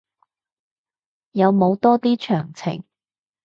有冇多啲詳情